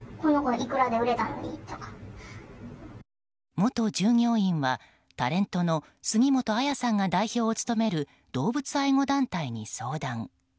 元従業員は、タレントの杉本彩さんが代表を務める動物愛護団体に相談。